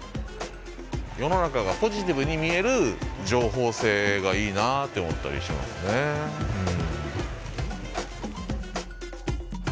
世の中がポジティブに見える情報性がいいなあって思ったりしますねうん。